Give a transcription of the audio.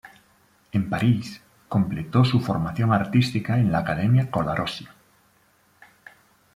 En París, completó su formación artística en la Academia Colarossi.